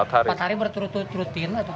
empat hari berturut turutin